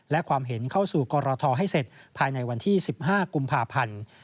และความเห็นเข้าสู่กรทให้เสร็จภายในวันที่๑๕กุมภาพันธ์